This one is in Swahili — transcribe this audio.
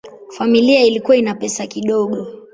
Familia ilikuwa ina pesa kidogo.